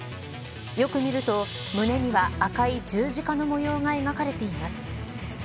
よく見ると胸には赤い十字架の模様が描かれています。